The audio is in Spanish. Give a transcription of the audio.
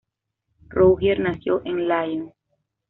Rougier nació en Lyon.